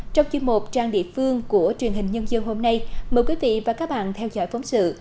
trong chuyên mục trang địa phương của truyền hình nhân dân hôm nay mời quý vị và các bạn theo dõi phóng sự